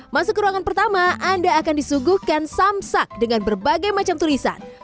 masuk ke ruangan pertama anda akan disuguhkan samsak dengan berbagai macam tulisan